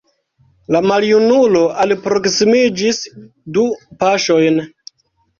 La maljunulo alproksimiĝis du paŝojn.